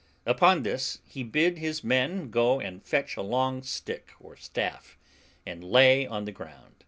Upon this he bid his men go and fetch a long stick or staff, and lay on the ground.